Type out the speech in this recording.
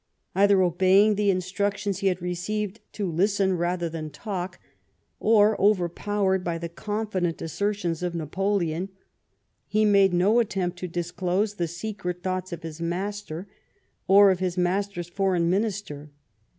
Either obeying the instructions he had received to listen rather than talk, or overpowered by the confident asser tions of Napuleou, he made no attempt to disclose the secret thoughts of his master, or of his master's foreign minister.